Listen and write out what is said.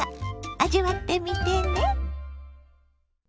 味わってみてね。